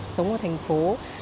sống ở thành phố